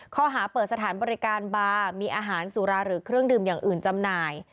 ข้อหาเปิดสถานบริการบาร์มีอาหารสุราหรือเครื่องดื่มอย่างอื่นจำหน่าย